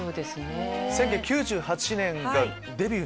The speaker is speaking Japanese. １９９８年がデビュー。